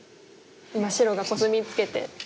今白がコスミツケて。